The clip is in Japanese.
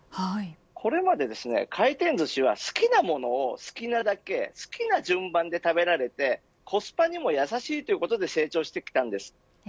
これまで回転寿司は好きなものを好きなだけ好きな順番で食べられてコスパにも優しいということで成長してきました。